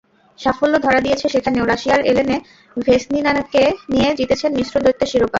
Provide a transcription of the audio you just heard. সাফল্য ধরা দিয়েছে সেখানেও, রাশিয়ার এলেনে ভেসনিনাকে নিয়ে জিতেছেন মিশ্র দ্বৈতের শিরোপা।